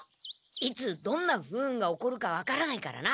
いつどんな不運が起こるか分からないからな。